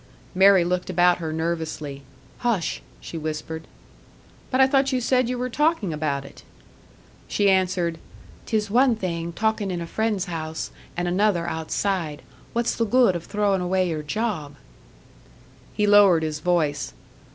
Mary looked about her nervously. "Hush!" she whispered. "But I thought you said you were talking about it!" She answered, "'Tis one thing, talkin' in a friend's house, and another outside. What's the good of throwin' away your job?" He lowered his voice.